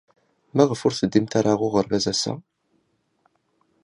Maɣef ur teddimt ara ɣer uɣerbaz ass-a?